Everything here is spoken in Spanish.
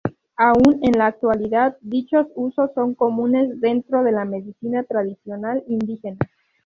Aún en la actualidad dichos usos son comunes dentro de la medicina tradicional indígena.